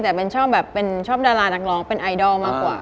แต่ชอบดาราดักร้องเป็นไอดอลมากกว่า